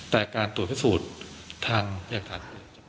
แต่การตรวจประสูจน์ทางแยกฐาน